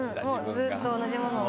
ずっと同じものを。